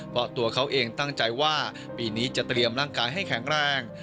เพราะตัวเขาเองตั้งใจว่าปีนี้จะเตรียมร่างกายให้แข็งแรง